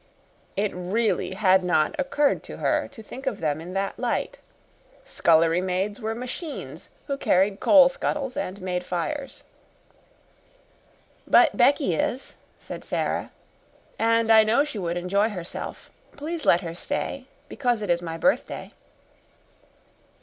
It really had not occurred to her to think of them in that light. Scullery maids were machines who carried coal scuttles and made fires. "But Becky is," said Sara. "And I know she would enjoy herself. Please let her stay because it is my birthday."